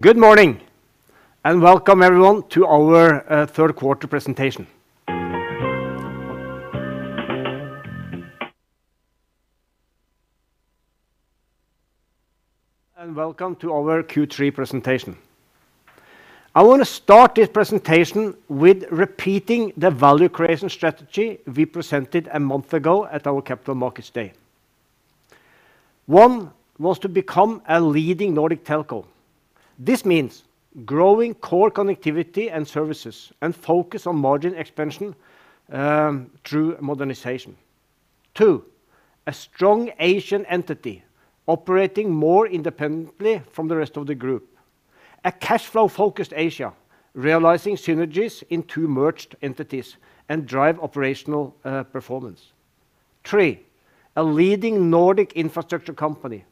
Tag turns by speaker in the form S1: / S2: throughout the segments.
S1: Good morning, and welcome everyone to our third quarter presentation. Welcome to our Q3 presentation. I want to start this presentation with repeating the value creation strategy we presented a month ago at our Capital Markets Day. One was to become a leading Nordic telco. This means growing core connectivity and services and focus on margin expansion through modernization. Two, a strong Asian entity operating more independently from the rest of the group. A cash flow-focused Asia, realizing synergies in two merged entities and drive operational performance. Three, a leading Nordic infrastructure company.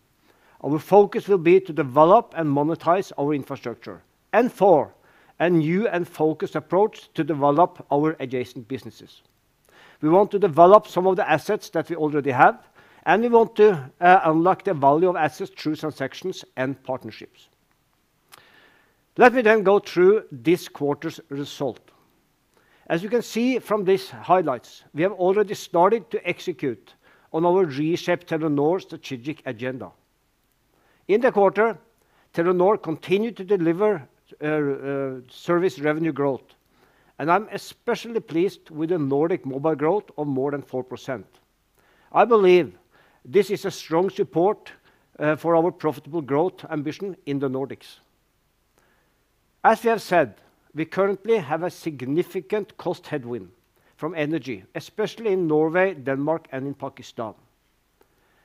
S1: Our focus will be to develop and monetize our infrastructure. Four, a new and focused approach to develop our adjacent businesses. We want to develop some of the assets that we already have, and we want to unlock the value of assets through transactions and partnerships. Let me then go through this quarter's result. As you can see from these highlights, we have already started to execute on our reshaped Telenor strategic agenda. In the quarter, Telenor continued to deliver service revenue growth, and I'm especially pleased with the Nordic Mobile growth of more than 4%. I believe this is a strong support for our profitable growth ambition in the Nordics. As we have said, we currently have a significant cost headwind from energy, especially in Norway, Denmark, and in Pakistan.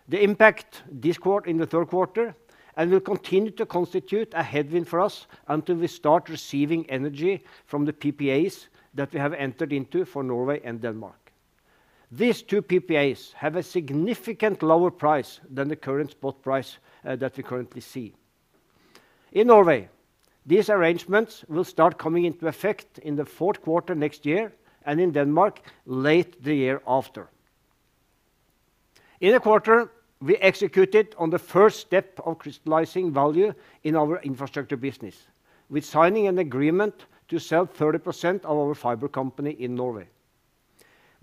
S1: The impact in the third quarter and will continue to constitute a headwind for us until we start receiving energy from the PPAs that we have entered into for Norway and Denmark. These two PPAs have a significant lower price than the current spot price that we currently see. In Norway, these arrangements will start coming into effect in the fourth quarter next year, and in Denmark, late in the year after. In the quarter, we executed on the first step of crystallizing value in our infrastructure business, with signing an agreement to sell 30% of our fiber company in Norway.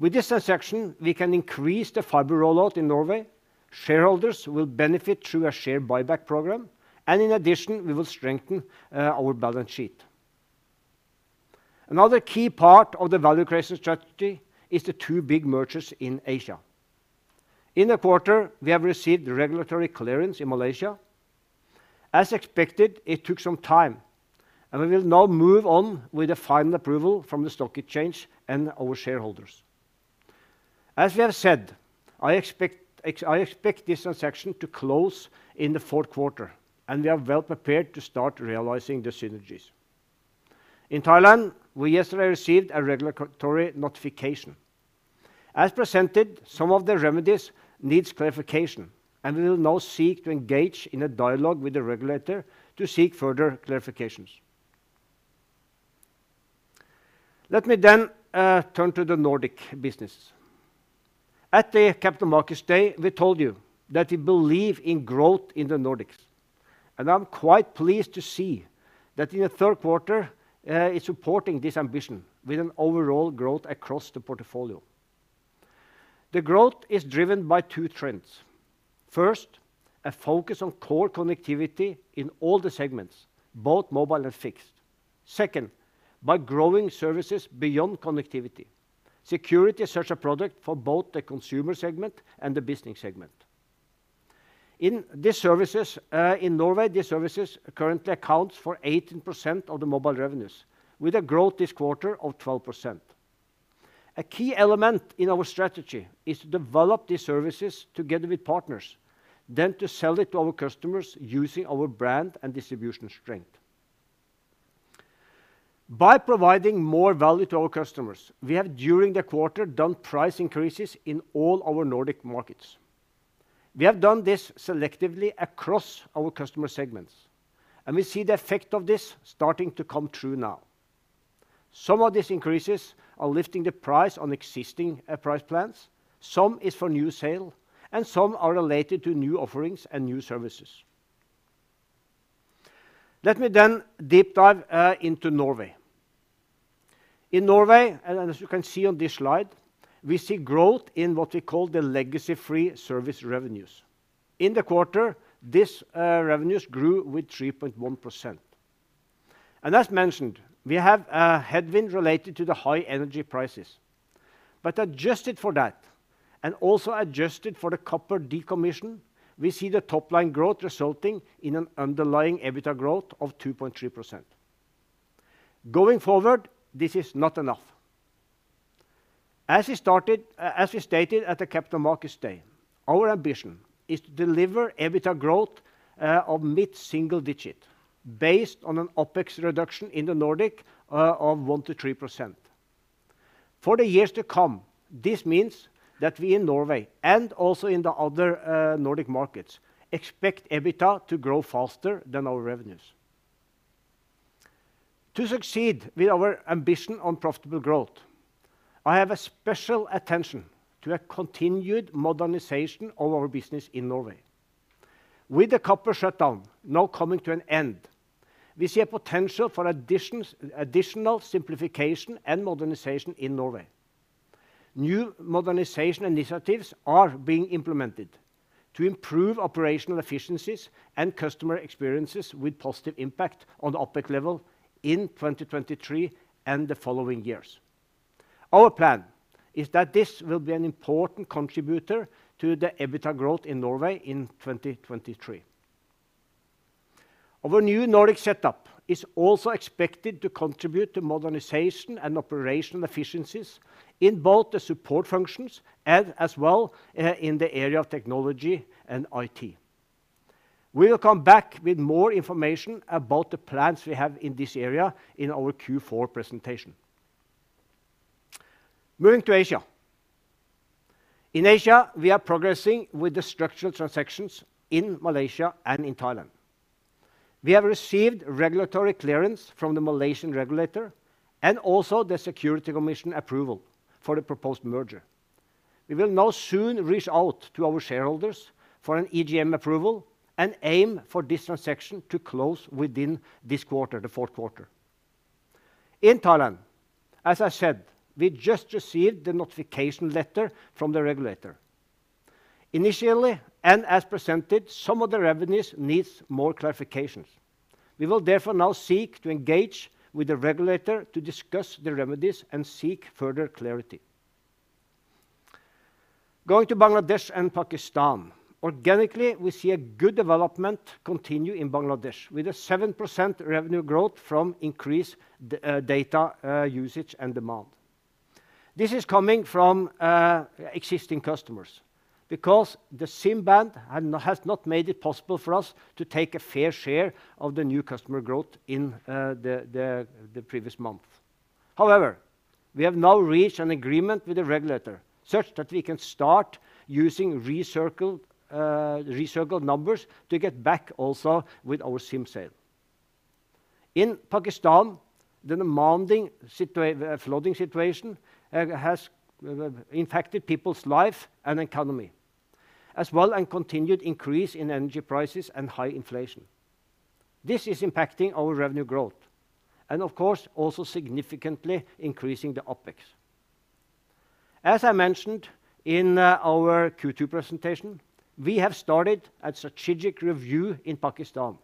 S1: With this transaction, we can increase the fiber rollout in Norway. Shareholders will benefit through a share buyback program, and in addition, we will strengthen our balance sheet. Another key part of the value creation strategy is the two big mergers in Asia. In the quarter, we have received regulatory clearance in Malaysia. As expected, it took some time, and we will now move on with the final approval from the stock exchange and our shareholders. As we have said, I expect this transaction to close in the fourth quarter, and we are well-prepared to start realizing the synergies. In Thailand, we yesterday received a regulatory notification. As presented, some of the remedies needs clarification, and we will now seek to engage in a dialogue with the regulator to seek further clarifications. Let me then turn to the Nordic business. At the Capital Markets Day, we told you that we believe in growth in the Nordics. I'm quite pleased to see that in the third quarter, it's supporting this ambition with an overall growth across the portfolio. The growth is driven by two trends. First, a focus on core connectivity in all the segments, both mobile and fixed. Second, by growing services beyond connectivity. Security is such a product for both the consumer segment and the business segment. In these services in Norway, these services currently accounts for 18% of the mobile revenues, with a growth this quarter of 12%. A key element in our strategy is to develop these services together with partners, then to sell it to our customers using our brand and distribution strength. By providing more value to our customers, we have during the quarter done price increases in all our Nordic markets. We have done this selectively across our customer segments, and we see the effect of this starting to come true now. Some of these increases are lifting the price on existing price plans, some is for new sale, and some are related to new offerings and new services. Let me then deep dive into Norway. In Norway, as you can see on this slide, we see growth in what we call the legacy-free service revenues. In the quarter, these revenues grew with 3.1%. As mentioned, we have a headwind related to the high energy prices. Adjusted for that, and also adjusted for the copper decommission, we see the top line growth resulting in an underlying EBITDA growth of 2.3%. Going forward, this is not enough. As we stated at the Capital Markets Day, our ambition is to deliver EBITDA growth of mid-single digit based on an OpEx reduction in the Nordic of 1%-3%. For the years to come, this means that we in Norway, and also in the other Nordic markets, expect EBITDA to grow faster than our revenues. To succeed with our ambition on profitable growth, I have a special attention to a continued modernization of our business in Norway. With the copper shutdown now coming to an end, we see a potential for additional simplification and modernization in Norway. New modernization initiatives are being implemented to improve operational efficiencies and customer experiences with positive impact on the OpEx level in 2023 and the following years. Our plan is that this will be an important contributor to the EBITDA growth in Norway in 2023. Our new Nordic setup is also expected to contribute to modernization and operational efficiencies in both the support functions and as well in the area of technology and IT. We will come back with more information about the plans we have in this area in our Q4 presentation. Moving to Asia. In Asia, we are progressing with the structural transactions in Malaysia and in Thailand. We have received regulatory clearance from the Malaysian regulator and also the Securities Commission Malaysia approval for the proposed merger. We will now soon reach out to our shareholders for an EGM approval and aim for this transaction to close within this quarter, the fourth quarter. In Thailand, as I said, we just received the notification letter from the regulator. Initially, and as presented, some of the revenues needs more clarifications. We will therefore now seek to engage with the regulator to discuss the remedies and seek further clarity. Going to Bangladesh and Pakistan. Organically, we see a good development continue in Bangladesh with a 7% revenue growth from increased data usage and demand. This is coming from existing customers because the SIM ban has not made it possible for us to take a fair share of the new customer growth in the previous month. However, we have now reached an agreement with the regulator such that we can start using recycled numbers to get back also with our SIM sale. In Pakistan, the flooding situation has impacted people's life and economy as well and continued increase in energy prices and high inflation. This is impacting our revenue growth and of course, also significantly increasing the OpEx. As I mentioned in our Q2 presentation, we have started a strategic review in Pakistan,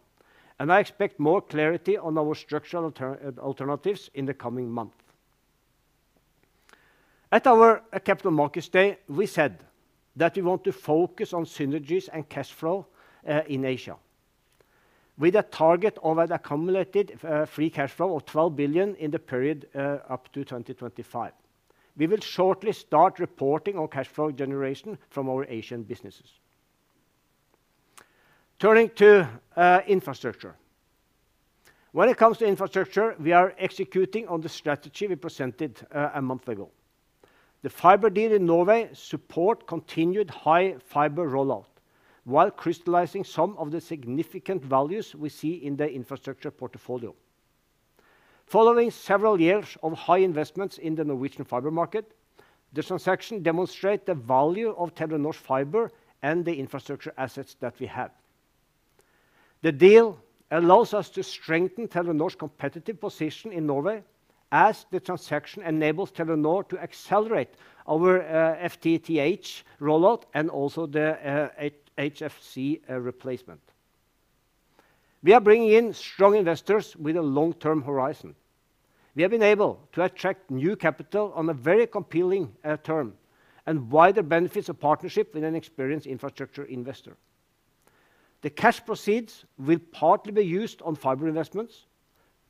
S1: and I expect more clarity on our structural alternatives in the coming month. At our Capital Markets Day, we said that we want to focus on synergies and cash flow in Asia with a target of an accumulated free cash flow of 12 billion in the period up to 2025. We will shortly start reporting on cash flow generation from our Asian businesses. Turning to infrastructure. When it comes to infrastructure, we are executing on the strategy we presented a month ago. The fiber deal in Norway support continued high fiber rollout while crystallizing some of the significant values we see in the infrastructure portfolio. Following several years of high investments in the Norwegian fiber market, the transaction demonstrate the value of Telenor Fiber and the infrastructure assets that we have. The deal allows us to strengthen Telenor's competitive position in Norway as the transaction enables Telenor to accelerate our FTTH rollout and also the HFC replacement. We are bringing in strong investors with a long-term horizon. We have been able to attract new capital on a very compelling term and wider benefits of partnership with an experienced infrastructure investor. The cash proceeds will partly be used on fiber investments,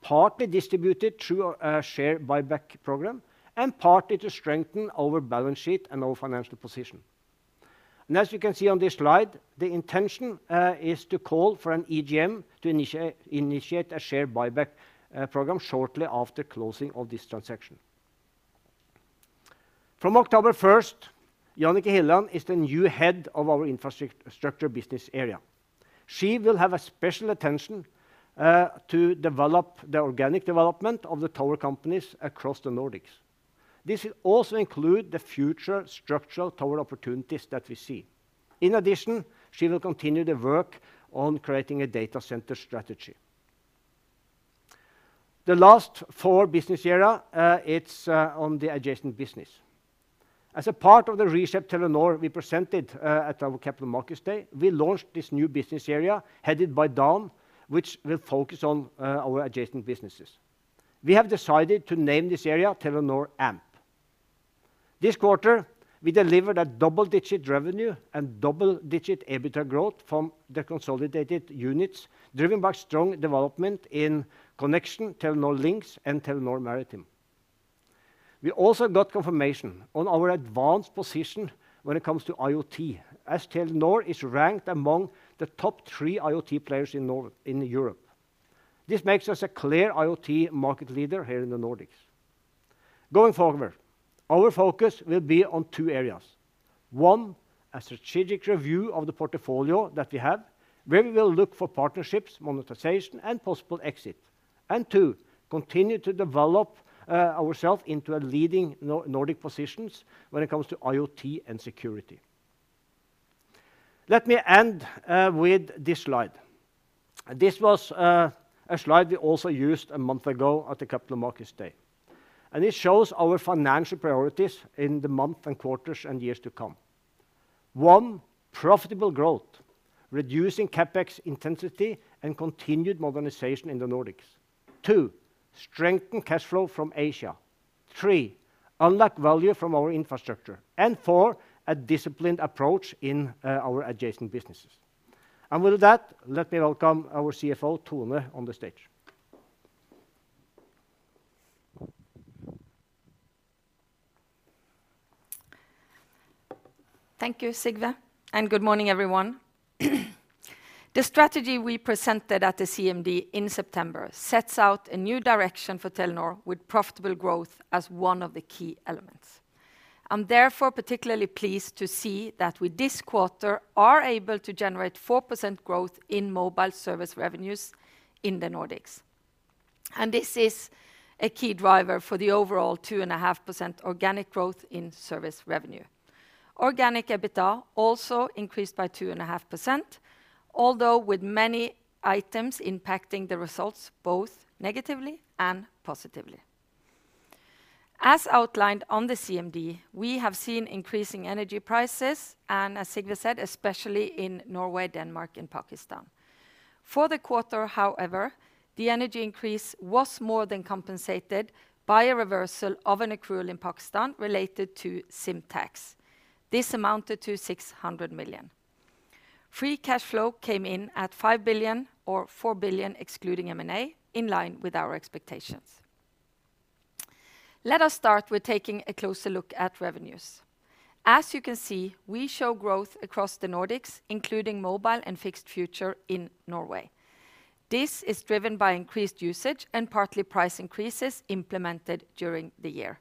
S1: partly distributed through a share buyback program, and partly to strengthen our balance sheet and our financial position. As you can see on this slide, the intention is to call for an EGM to initiate a share buyback program shortly after closing of this transaction. From October first, Jannicke Hilland is the new head of our infrastructure business area. She will have a special attention to develop the organic development of the tower companies across the Nordics. This will also include the future structural tower opportunities that we see. In addition, she will continue the work on creating a data center strategy. The last fourth business area is on the adjacent business. As a part of the Telenor reset we presented at our Capital Markets Day, we launched this new business area headed by Ruza Sabanovic, which will focus on our adjacent businesses. We have decided to name this area Telenor Amp. This quarter, we delivered a double-digit revenue and double-digit EBITDA growth from the consolidated units, driven by strong development in Telenor Connexion, Telenor Linx and Telenor Maritime. We also got confirmation on our advanced position when it comes to IoT, as Telenor is ranked among the top three IoT players in Europe. This makes us a clear IoT market leader here in the Nordics. Going forward, our focus will be on two areas. One, a strategic review of the portfolio that we have where we will look for partnerships, monetization, and possible exit. Two, continue to develop ourself into a leading non-Nordic positions when it comes to IoT and security. Let me end with this slide. This was a slide we also used a month ago at the Capital Markets Day, and this shows our financial priorities in the month and quarters and years to come. One, profitable growth, reducing CapEx intensity and continued modernization in the Nordics. Two, strengthen cash flow from Asia. Three, unlock value from our infrastructure. Four, a disciplined approach in our adjacent businesses. With that, let me welcome our CFO, Tone, on the stage.
S2: Thank you, Sigve, and good morning, everyone. The strategy we presented at the CMD in September sets out a new direction for Telenor with profitable growth as one of the key elements. I'm therefore particularly pleased to see that in this quarter we are able to generate 4% growth in mobile service revenues in the Nordics. This is a key driver for the overall 2.5% organic growth in service revenue. Organic EBITA also increased by 2.5%, although with many items impacting the results both negatively and positively. As outlined on the CMD, we have seen increasing energy prices and, as Sigve said, especially in Norway, Denmark, and Pakistan. For the quarter, however, the energy increase was more than compensated by a reversal of an accrual in Pakistan related to SIM tax. This amounted to 600 million. Free cash flow came in at 5 billion or 4 billion excluding M&A, in line with our expectations. Let us start with taking a closer look at revenues. As you can see, we show growth across the Nordics, including Mobile and fixed future in Norway. This is driven by increased usage and partly price increases implemented during the year.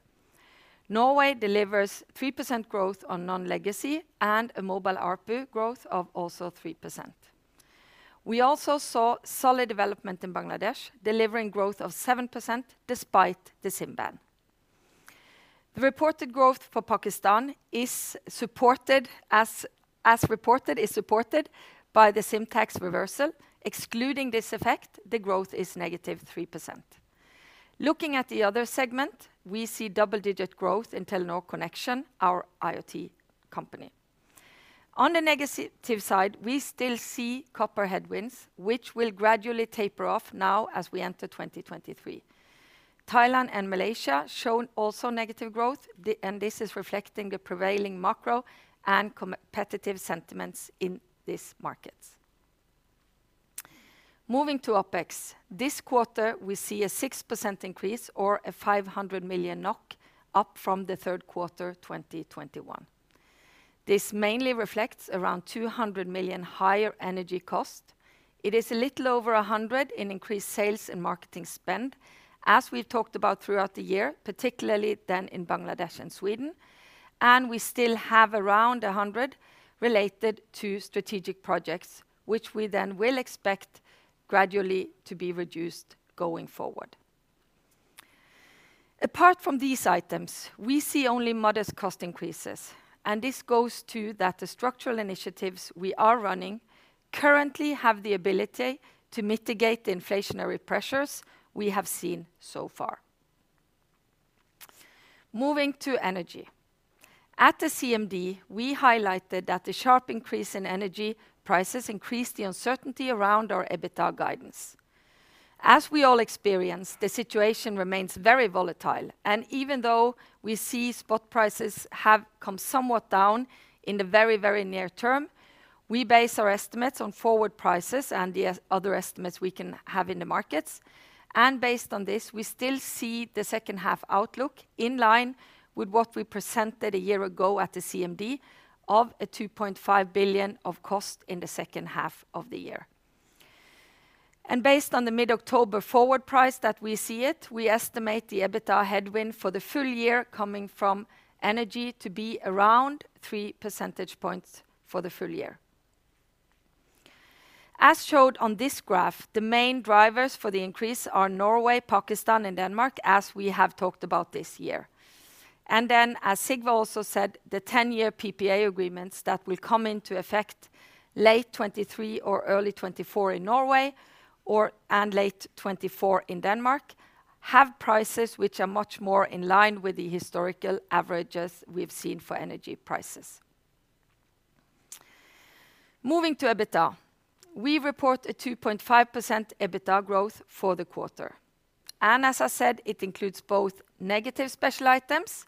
S2: Norway delivers 3% growth on non-legacy and a mobile ARPU growth of also 3%. We also saw solid development in Bangladesh, delivering growth of 7% despite the SIM ban. The reported growth for Pakistan, as reported, is supported by the SIM tax reversal. Excluding this effect, the growth is -3%. Looking at the other segment, we see double-digit growth in Telenor Connexion, our IoT company. On the negative side, we still see copper headwinds, which will gradually taper off now as we enter 2023. Thailand and Malaysia shown also negative growth, and this is reflecting the prevailing macro and competitive sentiments in these markets. Moving to OpEx. This quarter, we see a 6% increase or 500 million NOK up from the third quarter 2021. This mainly reflects around 200 million higher energy cost. It is a little over 100 million in increased sales and marketing spend, as we've talked about throughout the year, particularly then in Bangladesh and Sweden. We still have around 100 million related to strategic projects which we then will expect gradually to be reduced going forward. Apart from these items, we see only modest cost increases, and this goes to show that the structural initiatives we are running currently have the ability to mitigate the inflationary pressures we have seen so far. Moving to energy. At the CMD, we highlighted that the sharp increase in energy prices increased the uncertainty around our EBITA guidance. As we all experience, the situation remains very volatile, and even though we see spot prices have come somewhat down in the very, very near term, we base our estimates on forward prices and the other estimates we can have in the markets. Based on this, we still see the second half outlook in line with what we presented a year ago at the CMD of 2.5 billion of cost in the second half of the year. Based on the mid-October forward price that we see it, we estimate the EBITA headwind for the full year coming from energy to be around 3 percentage points for the full year. As shown on this graph, the main drivers for the increase are Norway, Pakistan, and Denmark, as we have talked about this year. As Sigve also said, the 10-year PPA agreements that will come into effect late 2023 or early 2024 in Norway, and late 2024 in Denmark have prices which are much more in line with the historical averages we've seen for energy prices. Moving to EBITA. We report a 2.5% EBITA growth for the quarter. As I said, it includes both negative special items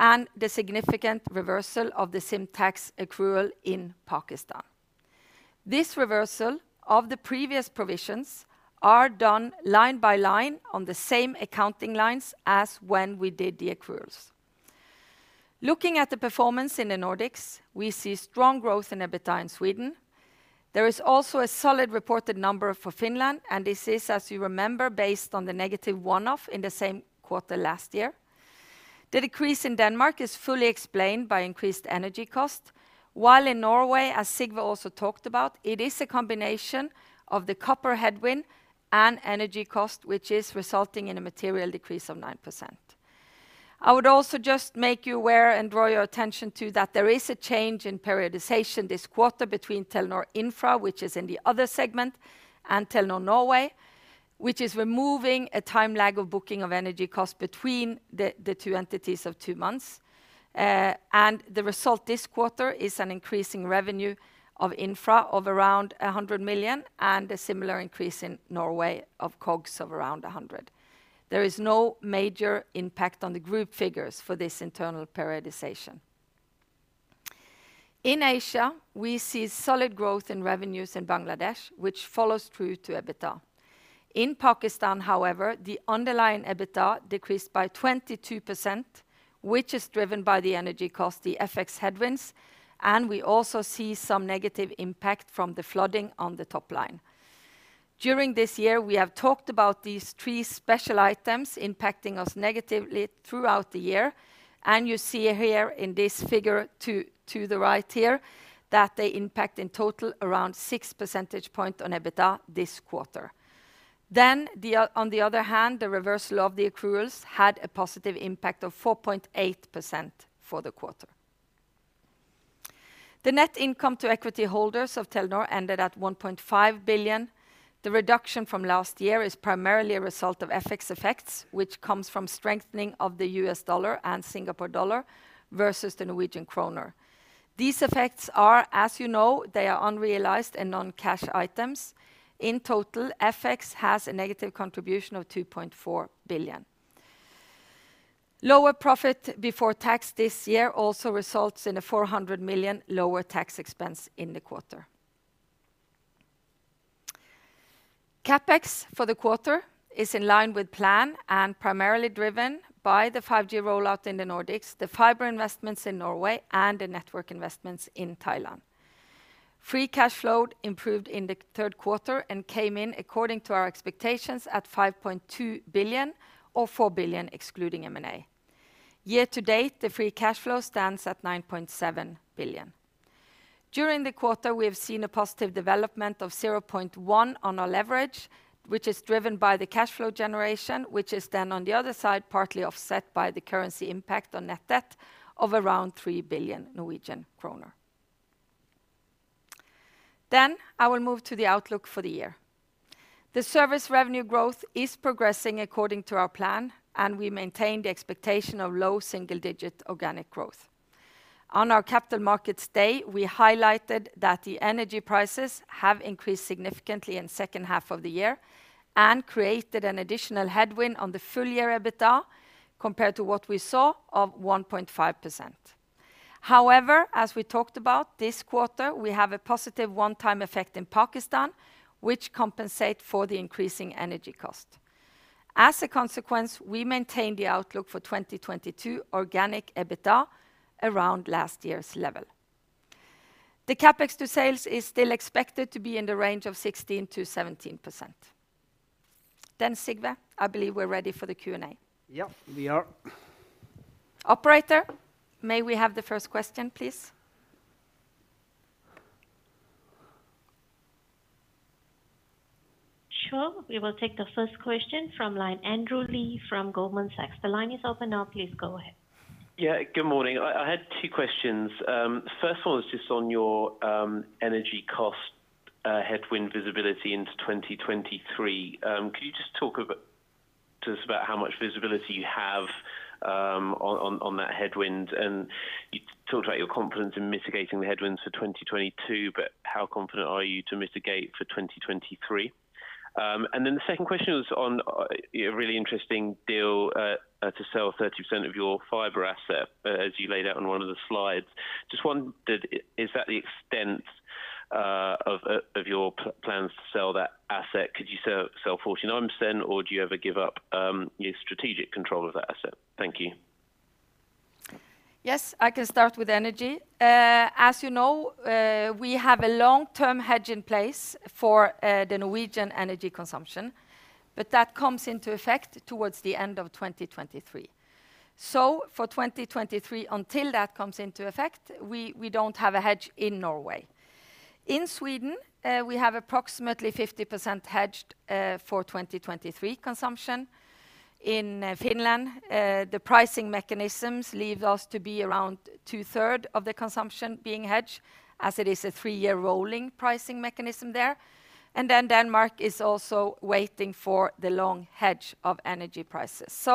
S2: and the significant reversal of the SIM tax accrual in Pakistan. This reversal of the previous provisions are done line by line on the same accounting lines as when we did the accruals. Looking at the performance in the Nordics, we see strong growth in EBITDA in Sweden. There is also a solid reported number for Finland, and this is, as you remember, based on the negative one-off in the same quarter last year. The decrease in Denmark is fully explained by increased energy cost, while in Norway, as Sigve also talked about, it is a combination of the copper headwind and energy cost, which is resulting in a material decrease of 9%. I would also just make you aware and draw your attention to that there is a change in periodization this quarter between Telenor Infra, which is in the other segment, and Telenor Norway, which is removing a time lag of booking of energy cost between the two entities of two months. The result this quarter is an increase in revenue of Infra of around 100 million, and a similar increase in Norway of COGS of around 100. There is no major impact on the group figures for this internal periodization. In Asia, we see solid growth in revenues in Bangladesh, which follows through to EBITDA. In Pakistan, however, the underlying EBITDA decreased by 22%, which is driven by the energy cost, the FX headwinds, and we also see some negative impact from the flooding on the top line. During this year, we have talked about these three special items impacting us negatively throughout the year, and you see here in this figure to the right here, that they impact in total around 6 percentage points on EBITDA this quarter. On the other hand, the reversal of the accruals had a positive impact of 4.8% for the quarter. The net income to equity holders of Telenor ended at 1.5 billion. The reduction from last year is primarily a result of FX effects, which comes from strengthening of the U.S. dollar and Singapore dollar versus the Norwegian kroner. These effects are, as you know, they are unrealized and non-cash items. In total, FX has a negative contribution of 2.4 billion. Lower profit before tax this year also results in a 400 million lower tax expense in the quarter. CapEx for the quarter is in line with plan and primarily driven by the 5G rollout in the Nordics, the fiber investments in Norway, and the network investments in Thailand. Free cash flow improved in the third quarter and came in according to our expectations at 5.2 billion, or 4 billion excluding M&A. Year to date, the free cash flow stands at 9.7 billion. During the quarter, we have seen a positive development of 0.1 on our leverage, which is driven by the cash flow generation, which is then on the other side partly offset by the currency impact on net debt of around 3 billion Norwegian kroner. I will move to the outlook for the year. The service revenue growth is progressing according to our plan, and we maintain the expectation of low single-digit organic growth. On our Capital Markets Day, we highlighted that the energy prices have increased significantly in second half of the year and created an additional headwind on the full year EBITDA compared to what we saw of 1.5%. However, as we talked about this quarter, we have a positive one-time effect in Pakistan, which compensate for the increasing energy cost. As a consequence, we maintain the outlook for 2022 organic EBITDA around last year's level. The CapEx to sales is still expected to be in the range of 16%-17%. Sigve, I believe we're ready for the Q&A.
S1: Yeah, we are.
S2: Operator, may we have the first question, please?
S3: Sure. We will take the first question from line, Andrew Lee from Goldman Sachs. The line is open now. Please go ahead.
S4: Yeah. Good morning. I had two questions. First one was just on your energy cost headwind visibility into 2023. Could you just talk a bit just about how much visibility you have on that headwind? You talked about your confidence in mitigating the headwinds for 2022, but how confident are you to mitigate for 2023? Then the second question was on your really interesting deal to sell 30% of your fiber asset as you laid out on one of the slides. Just wondered, is that the extent of your plans to sell that asset? Could you sell 49%, or do you ever give up your strategic control of that asset? Thank you.
S2: Yes, I can start with energy. As you know, we have a long-term hedge in place for the Norwegian energy consumption, but that comes into effect towards the end of 2023. For 2023, until that comes into effect, we don't have a hedge in Norway. In Sweden, we have approximately 50% hedged for 2023 consumption. In Finland, the pricing mechanisms leave us to be around two-thirds of the consumption being hedged, as it is a three-year rolling pricing mechanism there. Denmark is also waiting for the long hedge of energy prices.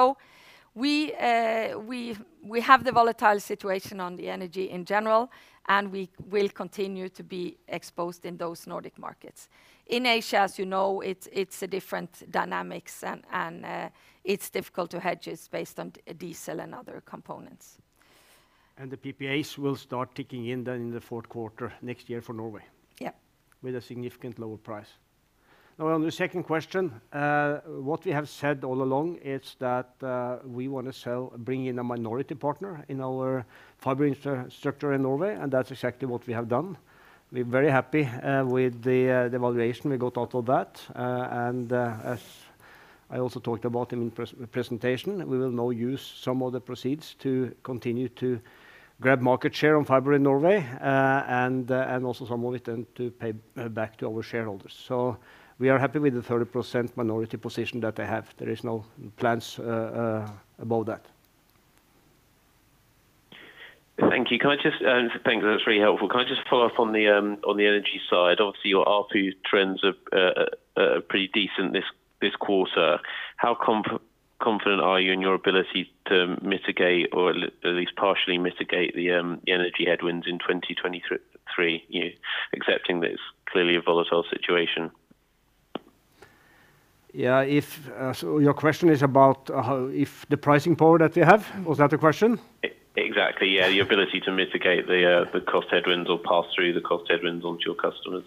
S2: We have the volatile situation on the energy in general, and we will continue to be exposed in those Nordic markets. In Asia, as you know, it's a different dynamics and it's difficult to hedge. It's based on diesel and other components.
S1: The PPAs will start kicking in then in the fourth quarter next year for Norway.
S2: Yeah
S1: With a significant lower price. Well, on the second question, what we have said all along is that we wanna bring in a minority partner in our fiber infrastructure in Norway, and that's exactly what we have done. We're very happy with the valuation we got out of that. As I also talked about in presentation, we will now use some of the proceeds to continue to grab market share on fiber in Norway, and also some of it then to pay back to our shareholders. We are happy with the 30% minority position that they have. There is no plans above that.
S4: Thank you. Can I just thank you. That's very helpful. Can I just follow up on the energy side? Obviously, your ARPU trends are pretty decent this quarter. How confident are you in your ability to mitigate or at least partially mitigate the energy headwinds in 2023, accepting that it's clearly a volatile situation?
S1: Yeah. Your question is about if the pricing power that we have? Was that the question?
S4: Exactly, yeah. The ability to mitigate the cost headwinds or pass through the cost headwinds onto your customers.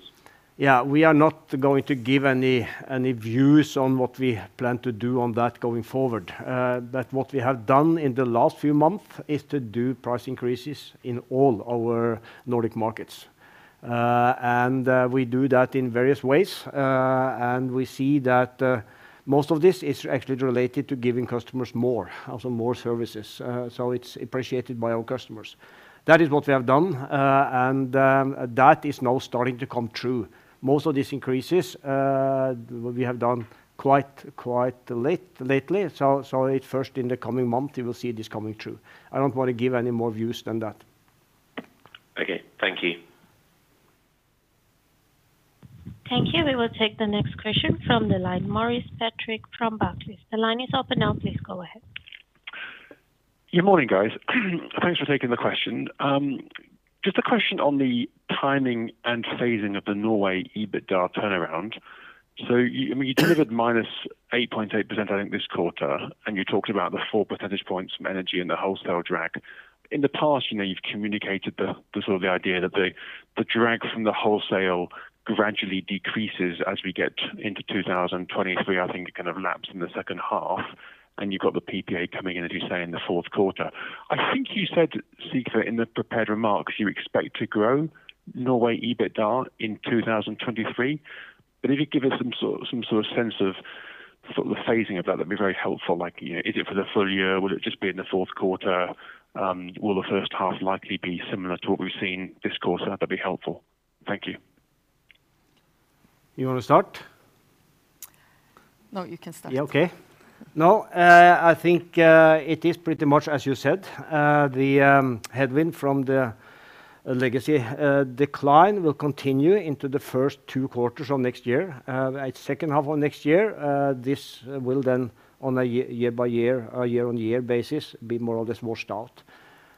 S1: Yeah. We are not going to give any views on what we plan to do on that going forward. What we have done in the last few months is to do price increases in all our Nordic markets. We do that in various ways. We see that most of this is actually related to giving customers more, also more services. It's appreciated by our customers. That is what we have done, that is now starting to come true. Most of these increases we have done quite lately. It's first in the coming month we will see this coming true. I don't want to give any more views than that.
S4: Okay. Thank you.
S3: Thank you. We will take the next question from the line. Maurice Patrick from Barclays. The line is open now. Please go ahead.
S5: Good morning, guys. Thanks for taking the question. Just a question on the timing and phasing of the Norway EBITDA turnaround. I mean, you delivered -8.8%, I think, this quarter, and you talked about the 4 percentage points from energy and the wholesale drag. In the past, you know, you've communicated the sort of idea that the drag from the wholesale gradually decreases as we get into 2023. I think it kind of laps in the second half, and you've got the PPA coming in, as you say, in the fourth quarter. I think you said, Sigve, in the prepared remarks, you expect to grow Norway EBITDA in 2023. If you give us some sort of sense of the phasing of that'd be very helpful. Like, you know, is it for the full year? Will it just be in the fourth quarter? Will the first half likely be similar to what we've seen this quarter? That'd be helpful. Thank you.
S1: You wanna start?
S2: No, you can start.
S1: Yeah. Okay. No, I think it is pretty much as you said. The headwind from the legacy decline will continue into the first two quarters of next year. At second half of next year, this will then on a year-by-year or year-on-year basis be more or less washed out.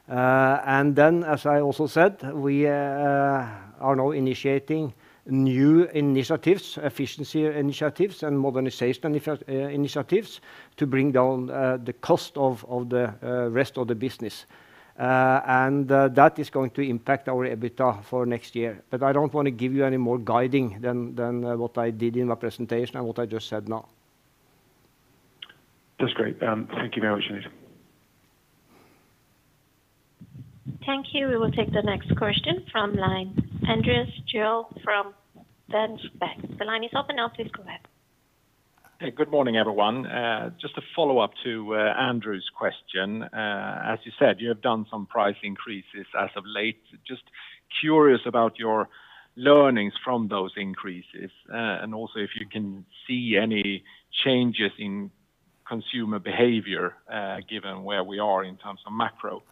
S1: Then as I also said, we are now initiating new initiatives, efficiency initiatives, and modernization initiatives to bring down the cost of the rest of the business. That is going to impact our EBITDA for next year. I don't wanna give you any more guiding than what I did in my presentation and what I just said now.
S5: That's great. Thank you very much indeed.
S3: Thank you. We will take the next question from line. Andreas Joelsson from Danske Bank. The line is open now. Please go ahead.
S6: Hey. Good morning, everyone. Just a follow-up to Andrew's question. As you said, you have done some price increases as of late. Just curious about your learnings from those increases, and also if you can see any changes in consumer behavior, given where we are in terms of macro.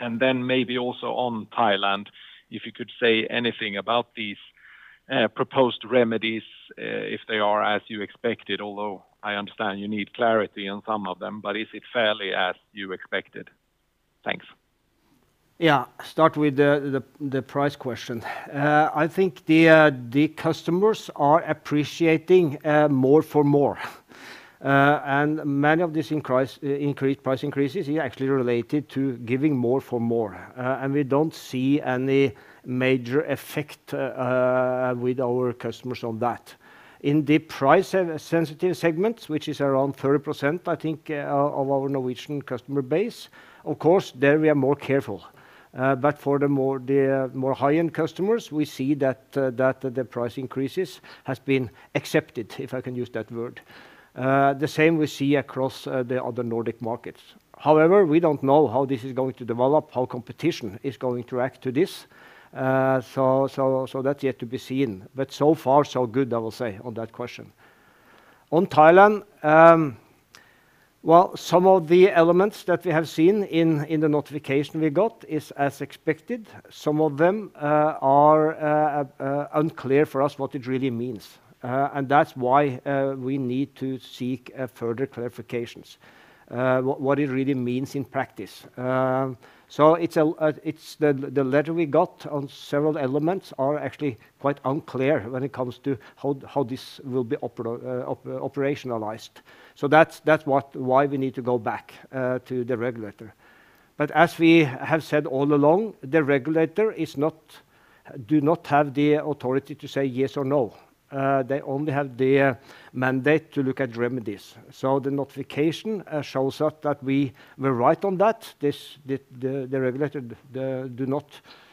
S1: Mm-hmm.
S6: Maybe also on Thailand, if you could say anything about these proposed remedies, if they are as you expected, although I understand you need clarity on some of them. Is it fairly as you expected? Thanks.
S1: Start with the price question. I think the customers are appreciating more for more. Many of these increased price increases is actually related to giving more for more. We don't see any major effect with our customers on that. In the price sensitive segments, which is around 30%, I think, of our Norwegian customer base, of course there we are more careful. For the more high-end customers, we see that the price increases has been accepted, if I can use that word. The same we see across the other Nordic markets. However, we don't know how this is going to develop, how competition is going to react to this. That's yet to be seen. So far so good, I will say, on that question. On Thailand, some of the elements that we have seen in the notification we got is as expected. Some of them are unclear for us what it really means. And that's why we need to seek further clarifications what it really means in practice. It's the letter we got on several elements are actually quite unclear when it comes to how this will be operationalized. That's what why we need to go back to the regulator. As we have said all along, the regulator do not have the authority to say yes or no. They only have the mandate to look at remedies. The notification shows us that we were right on that. The regulator, they do not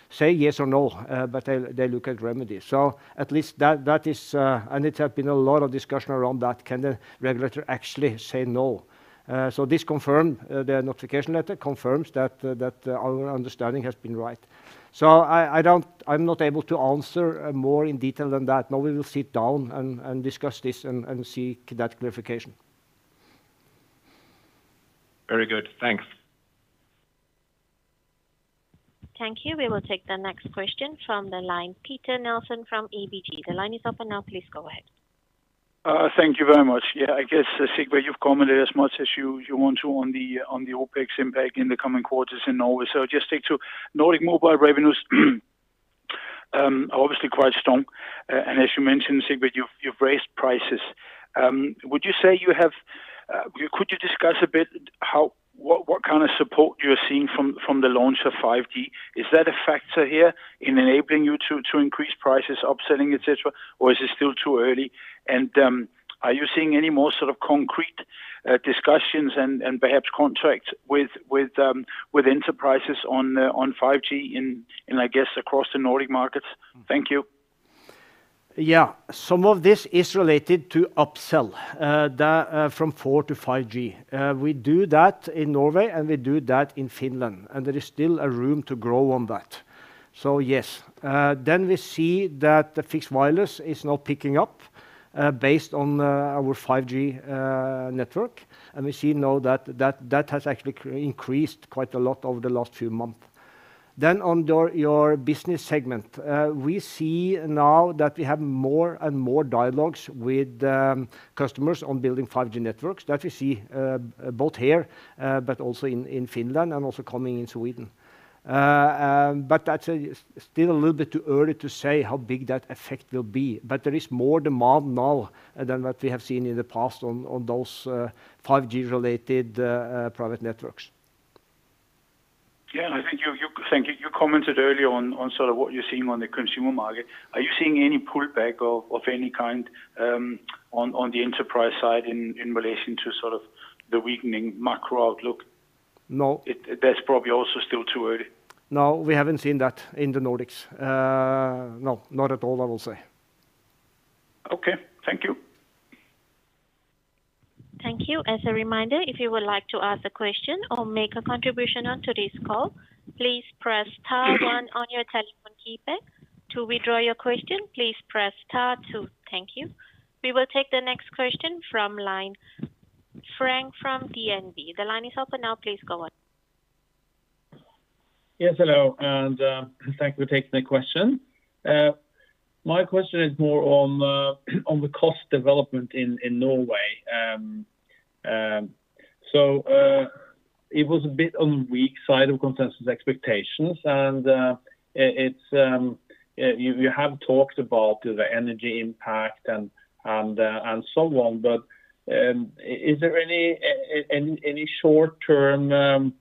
S1: say yes or no, but they look at remedies. At least that is. It had been a lot of discussion around that. Can the regulator actually say no? The notification letter confirms that our understanding has been right. I'm not able to answer more in detail than that. Now we will sit down and discuss this and seek that clarification.
S6: Very good. Thanks.
S3: Thank you. We will take the next question from the line, Peter Nielsen from ABG. The line is open now. Please go ahead.
S7: Thank you very much. Yeah, I guess, Sigve, you've commented as much as you want to on the OpEx impact in the coming quarters in Norway. Just stick to Nordic Mobile revenues are obviously quite strong. As you mentioned, Sigve, you've raised prices. Could you discuss a bit what kind of support you're seeing from the launch of 5G? Is that a factor here in enabling you to increase prices, upselling, et cetera, or is it still too early? Are you seeing any more sort of concrete discussions and perhaps contracts with enterprises on 5G in, and I guess across the Nordic markets? Thank you.
S1: Yeah. Some of this is related to upsell from 4G to 5G. We do that in Norway, and we do that in Finland, and there is still room to grow on that. Yes. We see that fixed wireless is now picking up based on our 5G network. We see now that that has actually increased quite a lot over the last few months. On your business segment, we see now that we have more and more dialogues with customers on building 5G networks. That we see both here, but also in Finland and also coming in Sweden. That's still a little bit too early to say how big that effect will be. There is more demand now than what we have seen in the past on those 5G-related private networks.
S7: Yeah. Thank you. You commented earlier on sort of what you're seeing on the consumer market. Are you seeing any pullback of any kind on the enterprise side in relation to sort of the weakening macro outlook?
S1: No.
S7: That's probably also still too early.
S1: No, we haven't seen that in the Nordics. No, not at all, I will say.
S7: Okay. Thank you.
S3: Thank you. As a reminder, if you would like to ask a question or make a contribution on today's call, please press star one on your telephone keypad. To withdraw your question, please press star two. Thank you. We will take the next question from line, Frank from DNB. The line is open now. Please go on.
S8: Yes, hello and thank you for taking the question. My question is more on the cost development in Norway. It was a bit on the weak side of consensus expectations, and it's you have talked about the energy impact and so on. Is there any short-term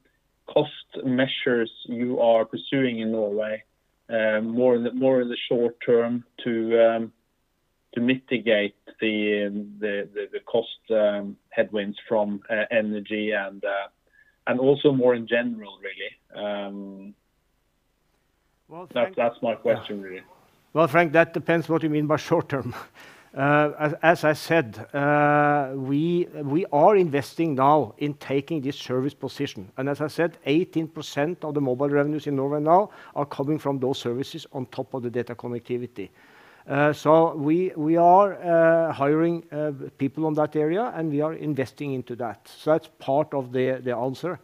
S8: cost measures you are pursuing in Norway, more in the short term to mitigate the cost headwinds from energy and also more in general, really?
S1: Well, Frank.
S8: That, that's my question, really.
S1: Well, Frank, that depends what you mean by short term. As I said, we are investing now in taking this service position. As I said, 18% of the mobile revenues in Norway now are coming from those services on top of the data connectivity. So we are hiring people on that area, and we are investing into that. That's part of the answer.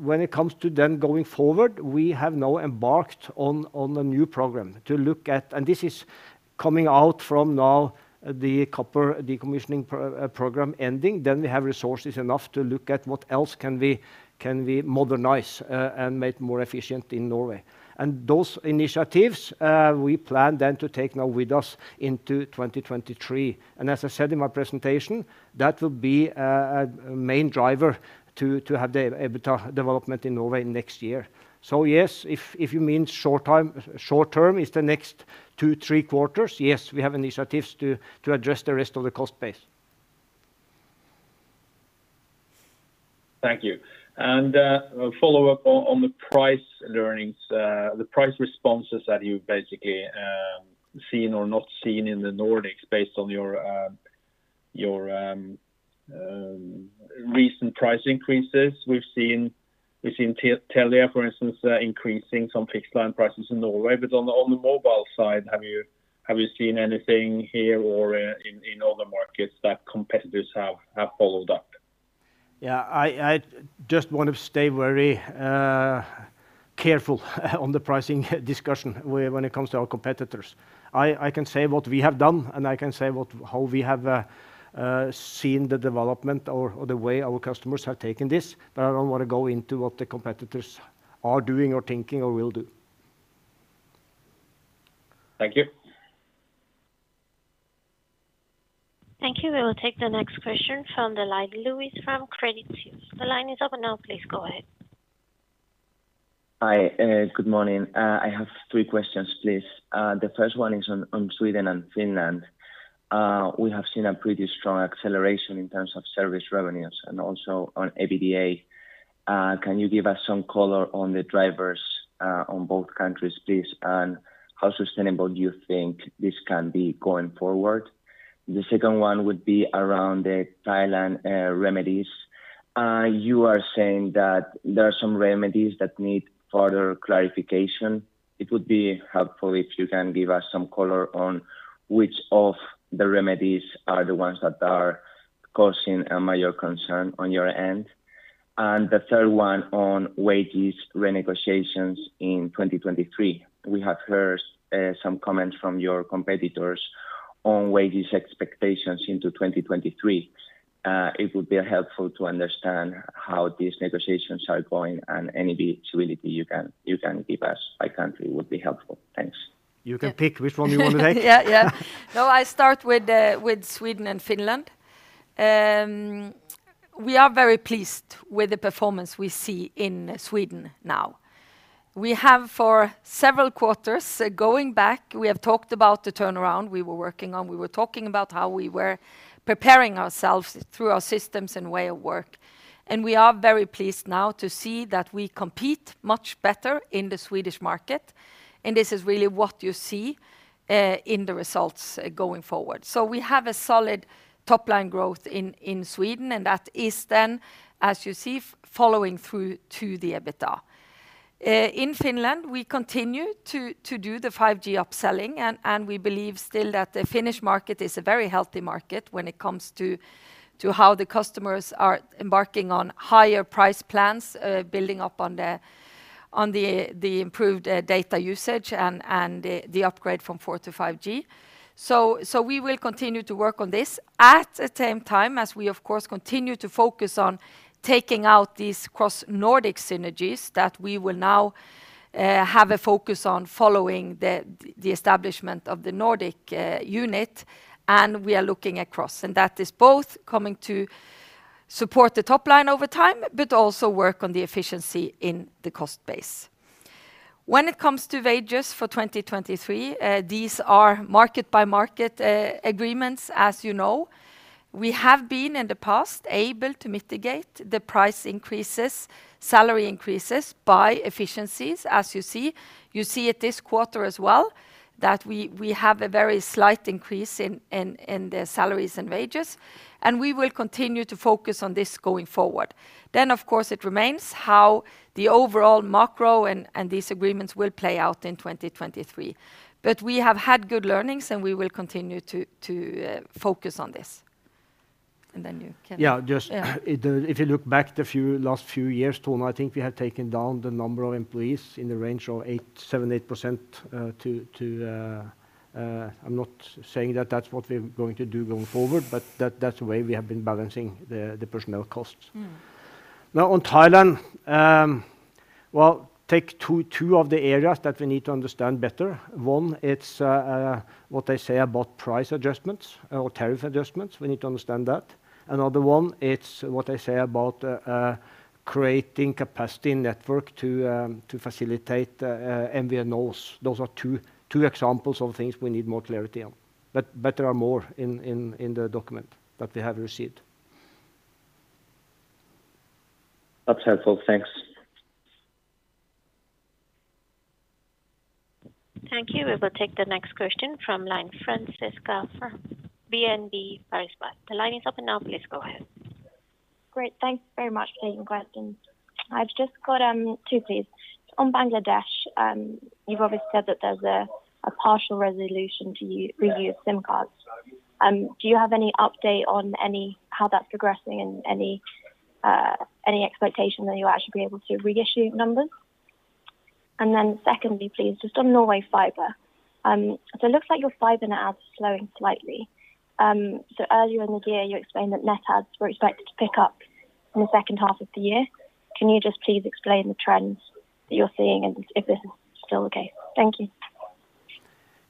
S1: When it comes to then going forward, we have now embarked on a new program to look at this is coming out from now the copper decommissioning program ending. We have resources enough to look at what else can we modernize and make more efficient in Norway. Those initiatives, we plan then to take now with us into 2023. As I said in my presentation, that will be a main driver to have the EBITDA development in Norway next year. Yes, if you mean short term is the next two, three quarters, yes, we have initiatives to address the rest of the cost base.
S8: Thank you. A follow-up on the price responses that you've basically seen or not seen in the Nordics based on your recent price increases. We've seen Telia, for instance, increasing some fixed line prices in Norway. On the mobile side, have you seen anything here or in other markets that competitors have followed up?
S1: Yeah. I just want to stay very careful on the pricing discussion when it comes to our competitors. I can say what we have done, and I can say how we have seen the development or the way our customers have taken this, but I don't wanna go into what the competitors are doing or thinking or will do.
S8: Thank you.
S3: Thank you. We will take the next question from the line Luis from Credit Suisse. The line is open now, please go ahead.
S9: Hi, good morning. I have three questions, please. The first one is on Sweden and Finland. We have seen a pretty strong acceleration in terms of service revenues, and also on EBITDA. Can you give us some color on the drivers on both countries, please? How sustainable do you think this can be going forward? The second one would be around the Thailand remedies. You are saying that there are some remedies that need further clarification. It would be helpful if you can give us some color on which of the remedies are the ones that are causing a major concern on your end. The third one on wages renegotiations in 2023. We have heard some comments from your competitors on wages expectations into 2023. It would be helpful to understand how these negotiations are going, and any visibility you can give us by country would be helpful. Thanks.
S1: You can pick which one you want to take.
S2: Yeah, yeah. No, I start with Sweden and Finland. We are very pleased with the performance we see in Sweden now. We have for several quarters going back, we have talked about the turnaround we were working on. We were talking about how we were preparing ourselves through our systems and way of work, and we are very pleased now to see that we compete much better in the Swedish market, and this is really what you see in the results going forward. We have a solid top line growth in Sweden, and that is then, as you see, following through to the EBITDA. In Finland, we continue to do the 5G upselling and we believe still that the Finnish market is a very healthy market when it comes to how the customers are embarking on higher price plans, building up on the improved data usage and the upgrade from 4G-5G. We will continue to work on this. At the same time, as we of course continue to focus on taking out these cross-Nordic synergies that we will now have a focus on following the establishment of the Nordic unit, and we are looking across. That is both coming to support the top line over time, but also work on the efficiency in the cost base. When it comes to wages for 2023, these are market by market agreements, as you know. We have been, in the past, able to mitigate the price increases, salary increases by efficiencies, as you see. You see it this quarter as well, that we have a very slight increase in the salaries and wages, and we will continue to focus on this going forward. Of course it remains how the overall macro and these agreements will play out in 2023. We have had good learnings, and we will continue to focus on this.
S1: Yeah.
S2: Yeah
S1: If you look back last few years, Tone, I think we have taken down the number of employees in the range of 8%, 7%, 8%. I'm not saying that that's what we're going to do going forward, but that's the way we have been balancing the personnel costs.
S2: Mm-hmm.
S1: Now on Thailand, take two of the areas that we need to understand better. One, it's what they say about price adjustments or tariff adjustments. We need to understand that. Another one, it's what they say about creating capacity network to facilitate MVNOs. Those are two examples of things we need more clarity on. There are more in the document that we have received.
S9: That's helpful. Thanks.
S3: Thank you. We will take the next question from line Francesca from BNP Paribas. The line is open now, please go ahead.
S10: Great, thanks very much for taking the question. I've just got two please. On Bangladesh, you've obviously said that there's a partial resolution to reuse SIM cards. Do you have any update on how that's progressing and any expectation that you'll actually be able to reissue numbers? And then secondly, please, just on Norway fiber. So it looks like your fiber net adds slowing slightly. So earlier in the year you explained that net adds were expected to pick up in the second half of the year. Can you just please explain the trends that you're seeing and if this is still the case? Thank you.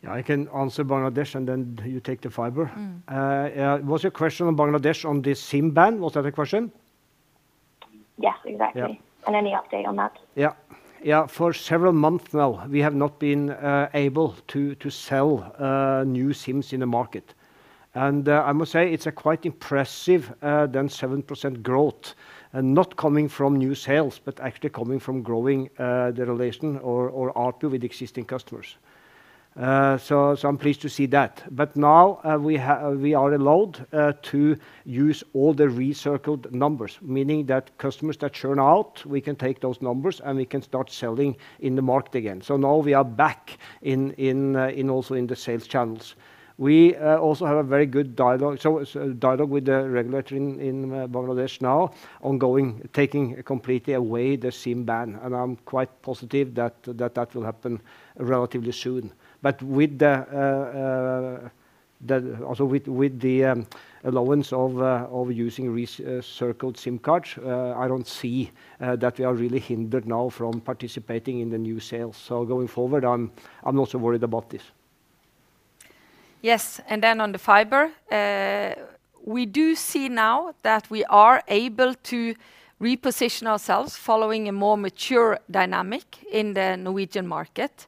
S1: Yeah, I can answer Bangladesh, and then you take the fiber.
S2: Mm-hmm.
S1: Yeah. Was your question on Bangladesh on the SIM ban? Was that the question?
S10: Yeah, exactly.
S1: Yeah.
S10: Any update on that?
S1: Yeah. Yeah, for several months now, we have not been able to sell new SIMs in the market. I must say it's quite impressive 7% growth, and not coming from new sales, but actually coming from growing the relation or ARPU with existing customers. I'm pleased to see that. Now we are allowed to use all the recycled numbers. Meaning that customers that churn out, we can take those numbers and we can start selling in the market again. Now we are back in the sales channels also. We also have a very good dialogue with the regulator in Bangladesh now ongoing, taking completely away the SIM ban, and I'm quite positive that that will happen relatively soon. With the allowance of using recycled SIM cards, I don't see that we are really hindered now from participating in the new sales. Going forward, I'm not so worried about this.
S2: Yes. On the fiber, we do see now that we are able to reposition ourselves following a more mature dynamic in the Norwegian market.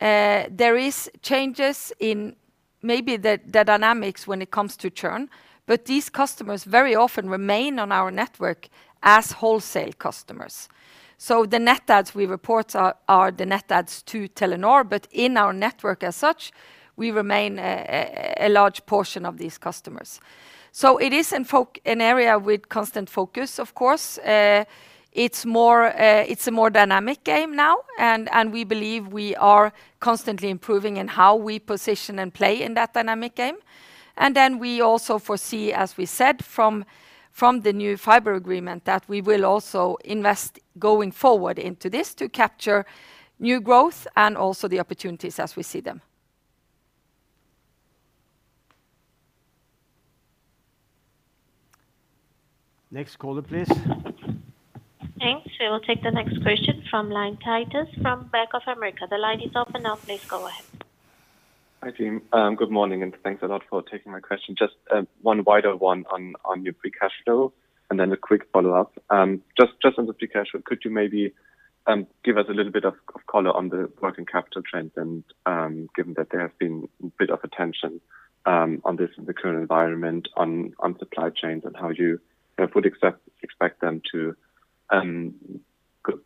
S2: There are changes in maybe the dynamics when it comes to churn, but these customers very often remain on our network as wholesale customers. The net adds we report are the net adds to Telenor, but in our network as such, we remain a large portion of these customers. It is an area with constant focus, of course. It's a more dynamic game now, and we believe we are constantly improving in how we position and play in that dynamic game. We also foresee, as we said from the new fiber agreement, that we will also invest going forward into this to capture new growth and also the opportunities as we see them.
S1: Next caller, please.
S3: Thanks. We will take the next question from line Titus from Bank of America. The line is open now. Please go ahead.
S11: Hi, team. Good morning, and thanks a lot for taking my question. Just one wider one on your free cash flow and then a quick follow-up. Just on the free cash flow, could you maybe give us a little bit of color on the working capital trends and given that there have been a bit of a tension on this in the current environment on supply chains and how you know, would expect them to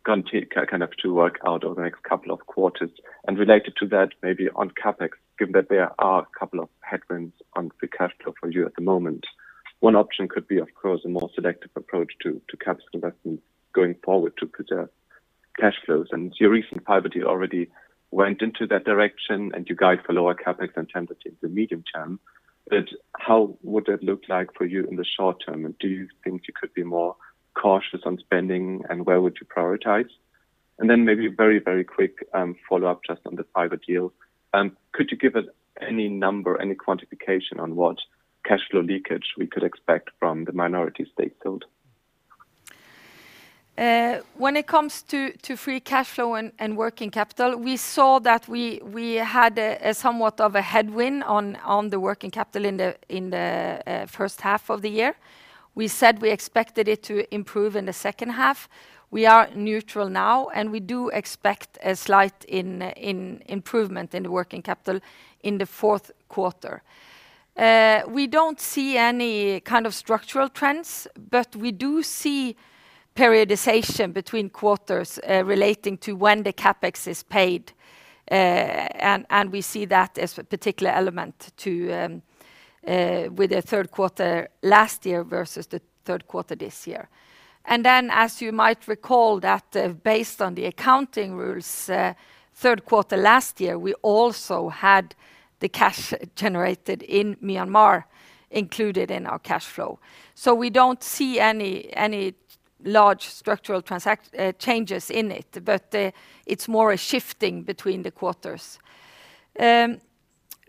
S11: continue kind of to work out over the next couple of quarters. Related to that maybe on CapEx, given that there are a couple of headwinds on free cash flow for you at the moment, one option could be, of course, a more selective approach to capital investment going forward to preserve cash flows. Your recent private deal already went into that direction, and you guide for lower CapEx intensity in the medium term. How would that look like for you in the short term? Do you think you could be more cautious on spending, and where would you prioritize? Then maybe a very, very quick follow-up just on the fiber deal. Could you give us any number, any quantification on what cash flow leakage we could expect from the minority stake sold?
S2: When it comes to free cash flow and working capital, we saw that we had a somewhat of a headwind on the working capital in the first half of the year. We said we expected it to improve in the second half. We are neutral now, and we do expect a slight improvement in the working capital in the fourth quarter. We don't see any kind of structural trends, but we do see periodization between quarters relating to when the CapEx is paid. We see that as a particular element with the third quarter last year versus the third quarter this year. As you might recall that, based on the accounting rules, third quarter last year, we also had the cash generated in Myanmar included in our cash flow. We don't see any large structural changes in it, but it's more a shifting between the quarters.